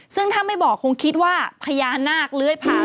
ซึ่งถ้าไม่บอกคงคิดว่าพญานาคเลื้อยผ่าน